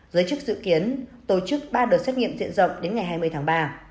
giới chức dự kiến tổ chức ba đợt xét nghiệm diện rộng đến ngày hai mươi tháng ba